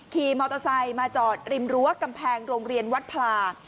ขี่มอเตอร์ไซค์มาจอดริมรั้วกำแพงโรงเรียนวัดพลา